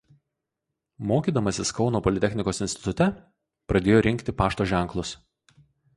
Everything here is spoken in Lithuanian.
Mokydamasis Kauno politechnikos institute pradėjo rinkti pašto ženklus.